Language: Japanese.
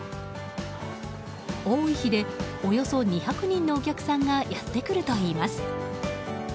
多い日で、およそ２００人のお客さんがやってくるといいます。